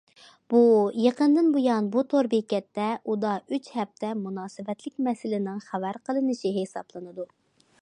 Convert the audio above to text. بۇ، يېقىندىن بۇيان بۇ تور بېكەتتە ئۇدا ئۈچ ھەپتە مۇناسىۋەتلىك مەسىلىنىڭ خەۋەر قىلىنىشى ھېسابلىنىدۇ.